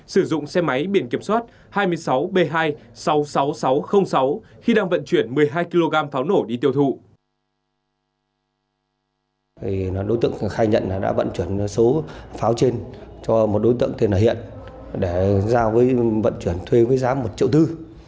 sử dụng xe máy biển kiểm soát hai mươi sáu b hai sáu mươi sáu nghìn sáu trăm linh sáu khi đang vận chuyển một mươi hai kg pháo nổ đi tiêu thụ